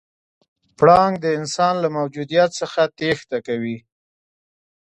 پړانګ د انسان له موجودیت څخه تېښته کوي.